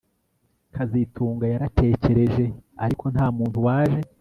kazitunga yarategereje ariko nta muntu waje